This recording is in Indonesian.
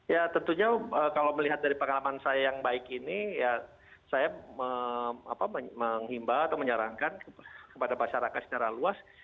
ya tentunya kalau melihat dari pengalaman saya yang baik ini ya saya menghimbau atau menyarankan kepada masyarakat secara luas